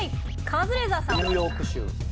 カズレーザーさん。